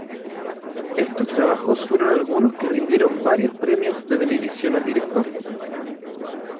Estos trabajos fueron algunos que rindieron varios premios de televisión al director.